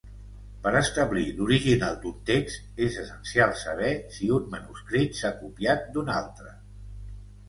Per establir l'original d'un text, és essencial saber si un manuscrit s'ha copiat d'un altre.